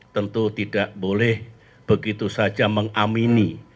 tentu tidak boleh begitu saja mengamini